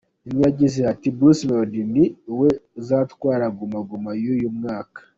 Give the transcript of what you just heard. Umwe yagize ati “Bruce Melodie ni we uzatwara Guma Guma y’uyu mwaka.